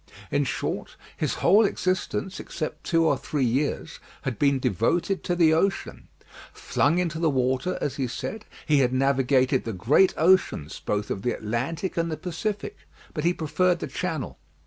In short, his whole existence, except two or three years, had been devoted to the ocean. Flung into the water, as he said, he had navigated the great oceans both of the Atlantic and the Pacific, but he preferred the Channel.